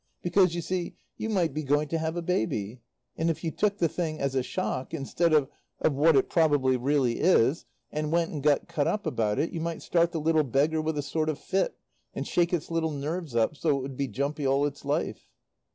"Because, you see, you might be going to have a baby; and if you took the thing as a shock instead of of what it probably really is, and went and got cut up about it, you might start the little beggar with a sort of fit, and shake its little nerves up, so that it would be jumpy all its life.